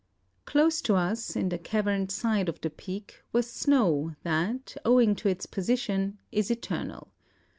Close to us, in the caverned side of the peak, was snow that, owing to its position, is eternal.